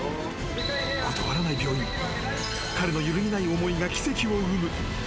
断らない病院彼のゆるぎない思いが奇跡を生む。